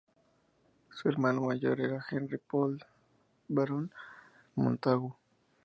Su hermano mayor era Henry Pole, Barón Montagu.